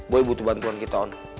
gue butuh bantuan kita on